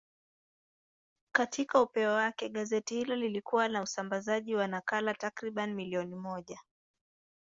Katika upeo wake, gazeti hilo lilikuwa na usambazaji wa nakala takriban milioni moja.